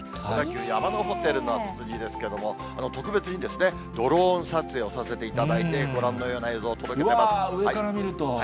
山のホテルのツツジですけれども、特別にドローン撮影をさせていただいて、ご覧のような映像を届け上から見ると。